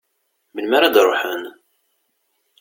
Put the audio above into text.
Melmi ara d-ruḥen?